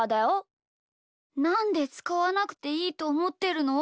なんでつかわなくていいとおもってるの？